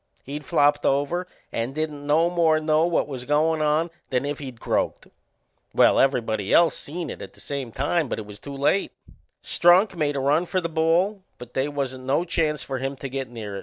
He'd flopped over and didn't no more know what was goin' on than if he'd croaked. Well, everybody else seen it at the same time; but it was too late. Strunk made a run for the ball, but they wasn't no chance for him to get near it.